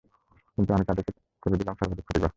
কিন্তু আমি তাদেরকে করে দিলাম সর্বাধিক ক্ষতিগ্রস্ত।